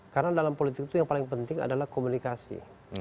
karena dalam politik itu yang paling penting adalah komunikasi